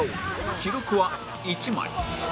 記録は１枚